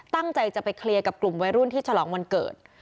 ตั้งใจจะไปเคลียร์กับกลุ่มวัยรุ่นที่ฉลองวันเกิด